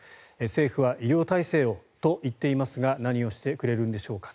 政府は医療体制をと言っていますが何をしてくれるんでしょうか。